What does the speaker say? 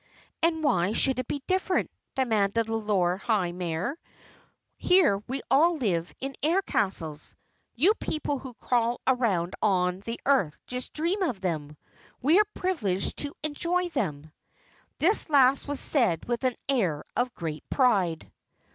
"And why should it be different?" demanded the Lord High Mayor. "Here we all live in Air Castles. You people who crawl around on the earth just dream of them. We are privileged to enjoy them." This last was said with an air of great pride.